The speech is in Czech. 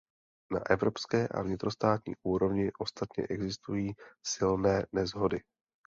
Na evropské a vnitrostátní úrovni ostatně existují silné neshody.